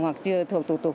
hoặc chưa thuộc thủ tục